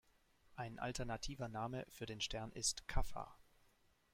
Ein alternativer Name für den Stern ist „Kaffa“.